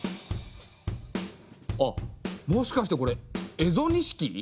あっもしかしてこれ蝦夷錦？